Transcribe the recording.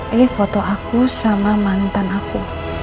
ini foto aku sama mantan aku